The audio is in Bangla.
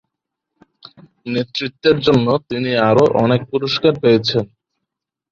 নেতৃত্বের জন্য তিনি আরও অনেক পুরস্কার পেয়েছেন।